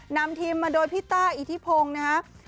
นำทีมมาโดยพี่ต้าอิทธิพงศ์นะครับ